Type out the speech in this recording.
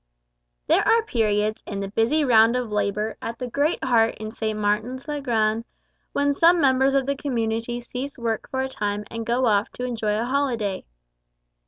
There are periods in the busy round of labour at the great heart in St. Martin's le Grand when some members of the community cease work for a time and go off to enjoy a holiday.